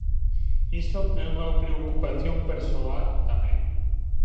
Iso é unha preocupación persoal tamén.